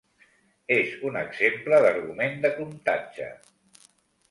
És un exemple d'argument de comptatge.